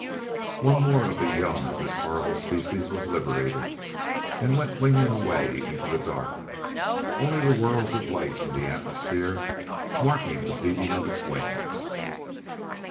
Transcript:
One more of the young of this horrible species was liberated and went winging away into the dark, only the whirls of light in the atmosphere marking the beating of its wings.